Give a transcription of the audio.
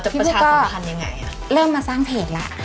พี่ผู้ก็เริ่มมาสร้างเพจแล้ว